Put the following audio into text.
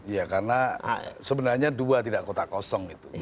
ya karena sebenarnya dua tidak kota kosong gitu